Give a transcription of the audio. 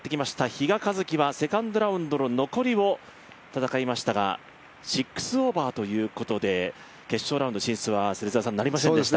比嘉一貴はセカンドラウンドの残りを戦いましたが、６オーバーということで、決勝ラウンド進出はなりませんでした。